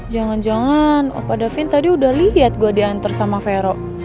jangan jangan opa davin tadi sudah lihat gue diantar sama vero